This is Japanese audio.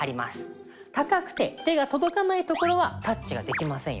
高くて手が届かない所はタッチができませんよね。